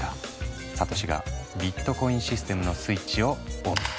サトシがビットコインシステムのスイッチをオン。